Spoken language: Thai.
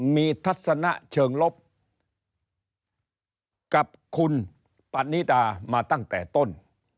มีทัศนะเชิงลบกับคุณปันนิดามาตั้งแต่ต้น